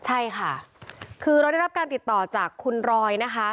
ใช่ค่ะคือเราได้รับการติดต่อจากคุณรอยนะคะ